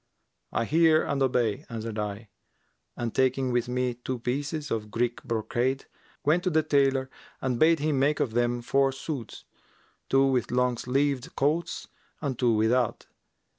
'I hear and obey,' answered I and taking with me two pieces[FN#355] of Greek brocade, went to the tailor and bade him make of them four suits, two with long sleeved coats and two without.